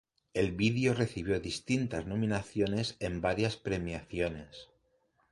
El vídeo recibió distintas nominaciones en varias premiaciones.